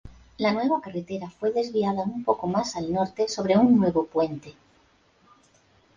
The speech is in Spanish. La nueva carretera fue desviada un poco más al norte sobre un nuevo puente.